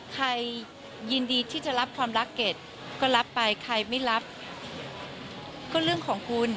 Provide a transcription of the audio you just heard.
ใครยินดีที่จะรับความรักเกรดก็รับไปใครไม่รับก็เรื่องของคุณ